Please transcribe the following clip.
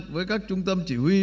với các trung tâm chỉ huy